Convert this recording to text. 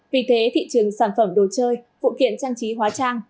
vì thế thị trường sản phẩm đồ chơi phụ kiện trang trí hóa trang